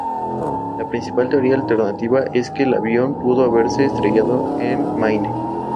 La principal teoría alternativa es que el avión pudo haberse estrellado en Maine.